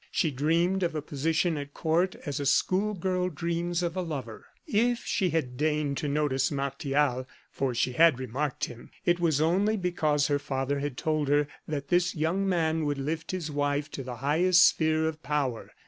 She dreamed of a position at court as a school girl dreams of a lover. If she had deigned to notice Martial for she had remarked him it was only because her father had told her that this young man would lift his wife to the highest sphere of power.